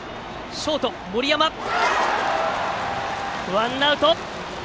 ワンアウト。